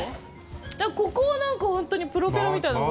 ここはなんか本当にプロペラみたいな。